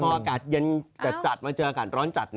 พออากาศเย็นจัดมาเจออากาศร้อนจัด